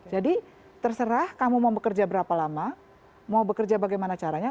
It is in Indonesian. jadi terserah kamu mau bekerja berapa lama mau bekerja bagaimana caranya